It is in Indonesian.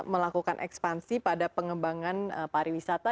melakukan ekspansi pada pengembangan pariwisata